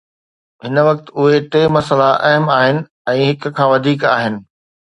هن وقت، اهي ٽي مسئلا اهم آهن ۽ هڪ کان وڌيڪ آهن